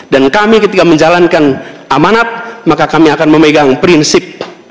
dan kami ketika menjalankan amanat maka kami akan memegang prinsip